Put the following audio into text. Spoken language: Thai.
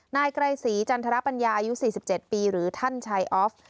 นายไกร่สีจันทระปัญญาอายุสี่สิบเจ็ดปีหรือท่านชายอฟ